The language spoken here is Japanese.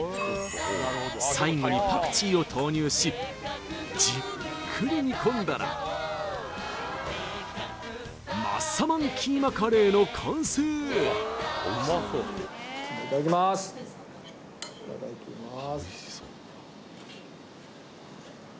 最後にパクチーを投入しじっくり煮込んだらマッサマンキーマカレーの完成いただきますいただきます